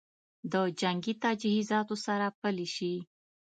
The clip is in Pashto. د جنګي تجهیزاتو سره پلي شي